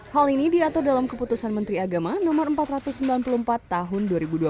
hal ini diatur dalam keputusan menteri agama no empat ratus sembilan puluh empat tahun dua ribu dua puluh